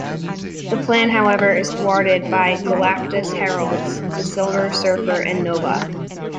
The plan, however, is thwarted by Galactus' Heralds the Silver Surfer and Nova.